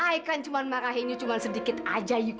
ayah kan cuma marahin yuk cuma sedikit aja yuk